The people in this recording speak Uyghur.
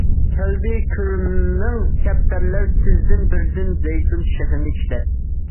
كەلدى كۈرمىڭ كەپتەرلەر تىزدىن بىردىن زەيتۇن شېخىنى چىشلەپ.